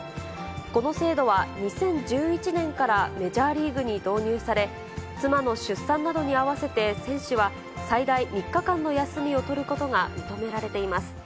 この制度は、２０１１年からメジャーリーグに導入され、妻の出産などに合わせて、選手は最大３日間の休みを取ることが認められています。